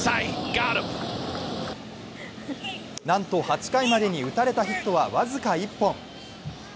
なんと８回までに打たれたヒットは僅か１本。